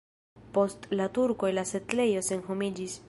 Post la turkoj la setlejo senhomiĝis.